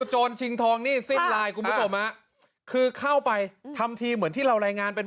จรชิงทองนี่นี่ซิดไลน์คุณผู้ชมห่ะคือเข้าไปทำทีเหมือนที่เราแรงงานเป็น